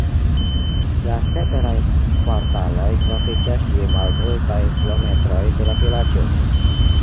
La ceteraj kvartaloj troviĝas je malmultaj kilometroj de la vilaĝo.